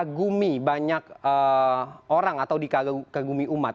kagumi banyak orang atau dikagumi umat